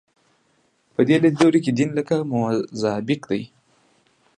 په دې لیدلوري کې دین لکه موزاییک دی.